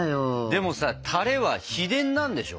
でもさたれは秘伝なんでしょ？